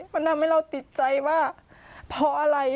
มันทำให้เราติดใจว่าเพราะอะไร